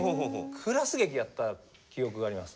クラス劇やった記憶があります。